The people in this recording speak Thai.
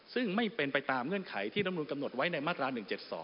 ซึ่งไม่เป็นไปตามเงื่อนไขที่รำนุนกำหนดไว้ในมาตรา๑๗๒